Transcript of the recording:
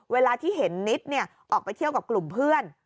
เวลาที่เห็นนิดออกไปเที่ยวกับกลุ่มเพื่อน